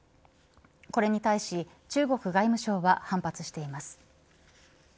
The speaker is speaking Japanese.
これに対し、中国外務省は反発しています。